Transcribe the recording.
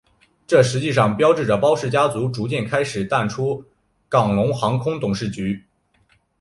这实际上标志着包氏家族逐渐开始淡出港龙航空董事局。